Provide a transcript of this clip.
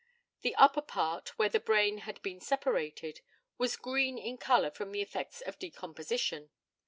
The upper part, where the brain had been separated, was green in colour from the effects of decomposition.